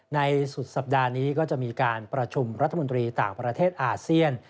สุดสัปดาห์นี้ก็จะมีการประชุมรัฐมนตรีต่างประเทศอาเซียน